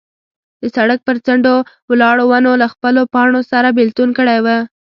د سړک پر څنډو ولاړو ونو له خپلو پاڼو سره بېلتون کړی و.